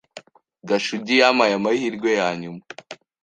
Gashugi yampaye amahirwe yanyuma.